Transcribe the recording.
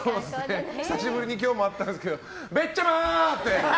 久しぶりに今日も会ったんですけどべっちゃま！って。